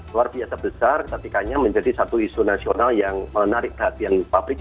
luar biasa besar ketikanya menjadi satu isu nasional yang menarik perhatian publik